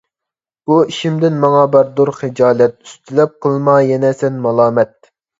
بۇ ئىشىمدىن ماڭا باردۇر خىجالەت، ئۈستىلەپ قىلما يەنە سەن مالامەت.